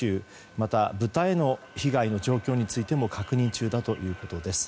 また豚への被害の状況についても確認中だということです。